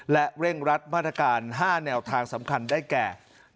และเร่งรัดมาตรการ๕แนวทางสำคัญได้แก่